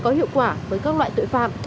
có hiệu quả với các loại tội phạm